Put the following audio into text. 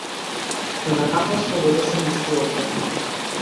Но на каква слобода се мисли овде?